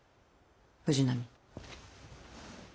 藤波。